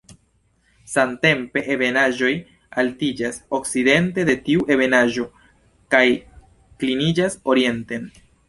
Samtempe, ebenaĵoj altiĝas okcidente de tiu ebenaĵo, kaj kliniĝas orienten.